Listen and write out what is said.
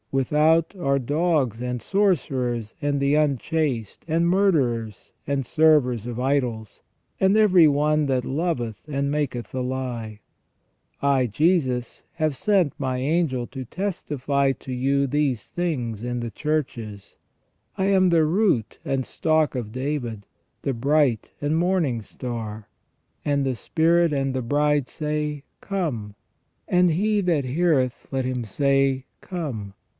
Without are dogs, and sorcerers, and the unchaste, and murderers, and servers of idols, and every one that loveth and maketh a lie. I, Jesus, have sent my angel to testify to you these things in the churches. I am the root and stock of David, the bright and morning star. And the spirit and the bride say : Come. And he that heareth, let him say : Come.